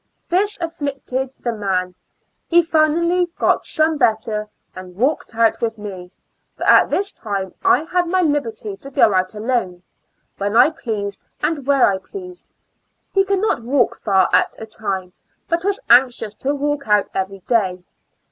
This afflicted the man. He final ly got some better, and walked out with me; for at this time I had my liberty to go out alone, when I pleased and where I pleased. He could not walk far at a time, but was anxious to walk out every day.